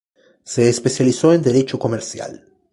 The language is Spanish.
Se especializó en Derecho Comercial.